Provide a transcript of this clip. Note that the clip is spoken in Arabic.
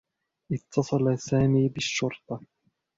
اتّصل سامي بالشّرطة.